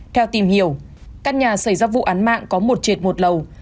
theo tìm hiểu căn nhà xảy ra vụ án mạng có một trệt một lầu